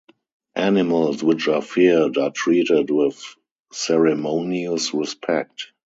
Animals which are feared are treated with ceremonious respect.